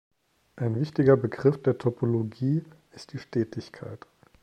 Ein wichtiger Begriff der Topologie ist die Stetigkeit.